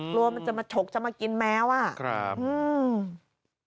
กลัวมันจะมาฉกจะมากินแมวอ่ะครับอืม